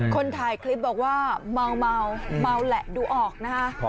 คนถ่ายคลิปบอกว่าเมาเมาแหละดูออกนะคะ